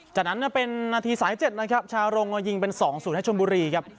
จากนั้นเนี่ยเป็นหน้าที่สายเจ็ดนะครับชารงยิงเป็นสองสูตรให้ชนบุรีครับ